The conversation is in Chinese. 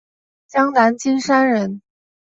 江南金山人。